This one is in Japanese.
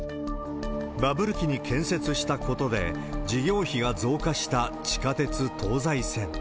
バブル期に建設したことで、事業費が増加した地下鉄東西線。